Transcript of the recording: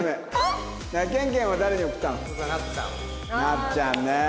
なっちゃんね。